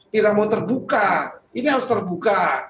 tidak mau terbuka ini harus terbuka